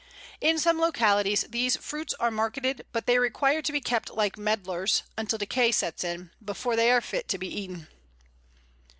In some localities these fruits are marketed, but they require to be kept like Medlars, until decay sets in, before they are fit to be eaten.